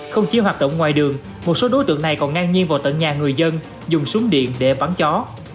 không chỉ hoạt động ngoài đường một số đối tượng này còn ngang nhiên vào tận nhà người dân dùng súng điện để bắn chó